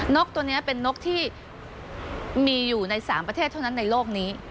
นกตัวนี้เป็นนกที่มีอยู่ใน๓ประเทศเท่านั้นในโลกนี้